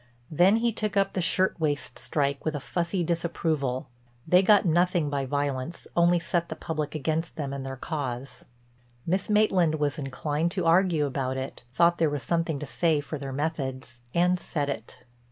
Then he took up the shirtwaist strike with a fussy disapproval—they got nothing by violence, only set the public against them and their cause. Miss Maitland was inclined to argue about it; thought there was something to say for their methods and said it.